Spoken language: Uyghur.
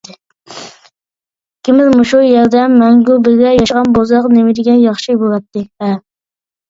ئىككىمىز مۇشۇ يەردە مەڭگۈ بىللە ياشىغان بولساق نېمىدېگەن ياخشى بولاتتى-ھە!